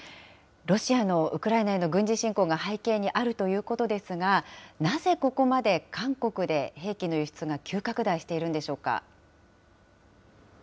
ロシアのウクライナへの軍事侵攻が背景にあるということですが、なぜここまで韓国で兵器の輸出が急拡大しているんでしょうか。